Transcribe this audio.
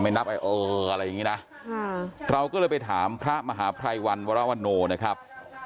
ไม่นับไอเอออะไรอย่างเงี้ยนะอ่าเราก็เลยไปถามพระมหาพรายวรรณวรัวโนนะครับ